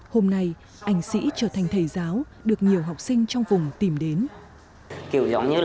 hôm nay anh sĩ trở thành thầy giáo được nhiều học sinh trong vùng tìm đến